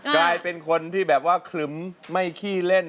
กลายเป็นคนที่แบบว่าขลึ้มไม่ขี้เล่น